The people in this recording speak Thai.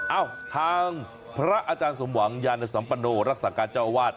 เอ้าทางพระอาจารย์สมหวังยานสัมปโนรักษาการเจ้าอาวาส